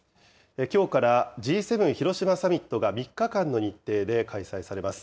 きょうからＧ７広島サミットが、３日間の日程で開催されます。